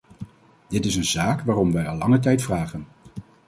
Dit is een zaak waarom wij al lange tijd vragen.